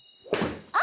あ！